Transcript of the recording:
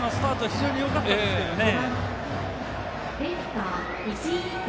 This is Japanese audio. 非常によかったですけどね。